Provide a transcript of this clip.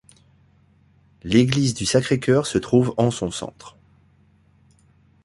L'église du Sacré-Cœur se trouve en son centre.